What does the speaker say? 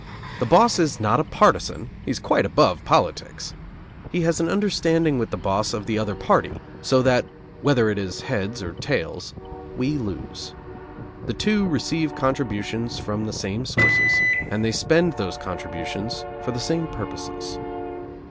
The boss is not a partisan; he is quite above politics! He has an understanding with the boss of the other party, so that, whether it is heads or tails, we lose. The two receive contributions from the same sources, and they spend those contributions for the same purposes.